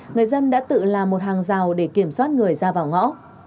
người dân đã tự làm một hàng rào để kiểm soát người ra vào ngõ